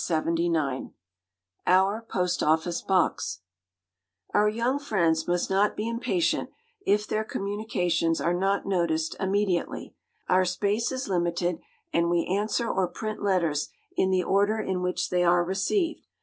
[Illustration: OUR POST OFFICE BOX] Our young friends must not be impatient if their communications are not noticed immediately. Our space is limited, and we answer or print letters in the order in which they are received.